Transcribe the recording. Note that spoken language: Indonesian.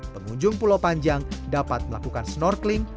pengunjung pulau panjang dapat melakukan snorkeling